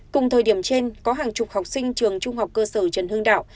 cùng thời điểm trên có hàng chục học sinh trường trung học cơ sở trần hương đạo